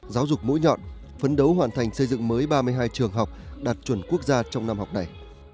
giáo dục mũi nhọn phấn đấu hoàn thành xây dựng mới ba mươi hai trường học đạt chuẩn quốc gia trong năm học này